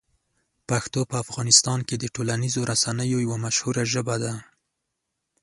پښتو په افغانستان کې د ټولنیزو رسنیو یوه مشهوره ژبه ده.